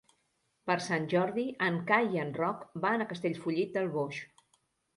Per Sant Jordi en Cai i en Roc van a Castellfollit del Boix.